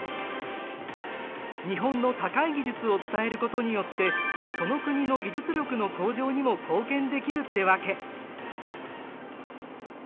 日本の高い技術を伝えることによってその国の技術力の向上にも貢献できるってわけ。